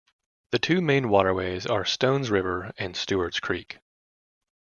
The two main waterways are Stones River and Stewarts Creek.